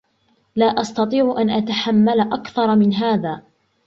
لا أستطيع أن أتحمل أكثر من هذا.